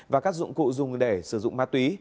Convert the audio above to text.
và các dụng cụ dùng để sử dụng ma túy